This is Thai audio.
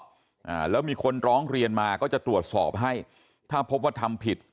อ่าแล้วมีคนร้องเรียนมาก็จะตรวจสอบให้ถ้าพบว่าทำผิด